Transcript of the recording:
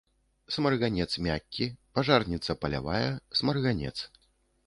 Смарганец мяккі, пажарніца палявая, смарганец.